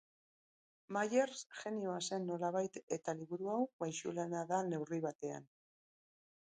Myers jenioa zen, nolabait, eta liburu hau maisulana da neurri batean.